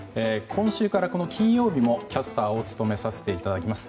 今週から金曜日もキャスターを務めさせていただきます。